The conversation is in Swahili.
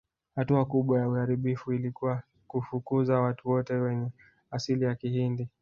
Hatua kubwa ya uharibifu ilikuwa kufukuza watu wote wenye asili ya Kihindi